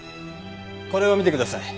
これを見てください。